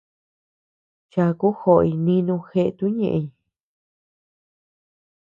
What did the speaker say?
Chaku joʼoy nínu jeʼe tuʼu ñeʼeñ.